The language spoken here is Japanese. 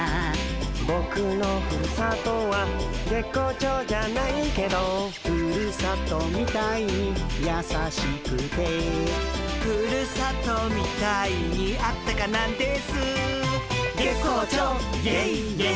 「ボクのふるさとは月光町じゃないケド」「ふるさとみたいにやさしくて」「ふるさとみたいにあったかなんですー」「月光町イエイイエイ」